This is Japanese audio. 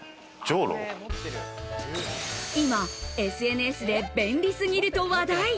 今、ＳＮＳで便利すぎると話題。